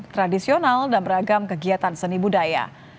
tradisional dan beragam kegiatan seni budaya